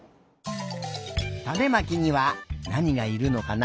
たねまきにはなにがいるのかな？